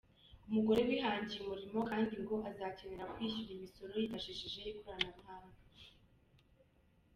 Umugore wihangiye umurimo kandi ngo azakenera kwishyura imisoro yifashishije ikoranabuhanga.